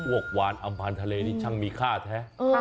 ออกวานอำพันธาเลนี่ก็มีค่าแท้